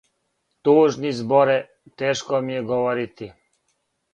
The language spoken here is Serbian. Тужни Зборе! Тешко ми je говорити!